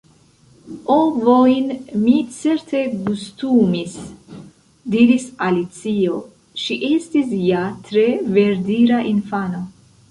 "Ovojn mi certe gustumis," diris Alicio, ŝi estis ja tre verdira infano.